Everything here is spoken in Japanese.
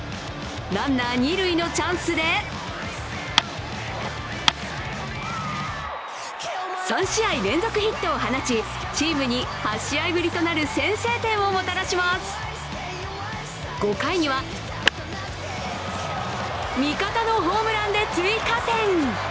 ランナー、二塁のチャンスで３試合連続ヒットを放ちチームに８試合ぶりとなる先制点をもたらします５回には味方のホームランで追加点。